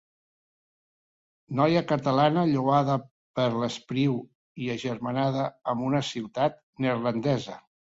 Noia catalana lloada per Espriu i agermanada amb una ciutat neerlandesa.